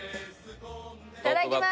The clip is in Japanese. いただきます